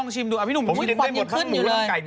สุปก้อยเป็นต้มแซ่บเลยเหรอ